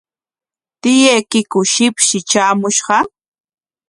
¿Tiyaykiku shipshi traamushqa?